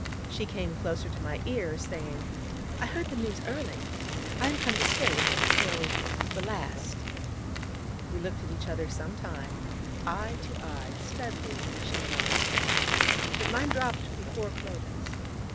She came closer to my ear, saying: 'I heard the news early. I am come to stay with him, till the last....' We looked at each other some time eye to eye, steadily, she and I: but mine dropped before Clodagh's.